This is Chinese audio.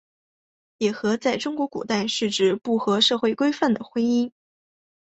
野合在中国古代是指不合社会规范的婚姻。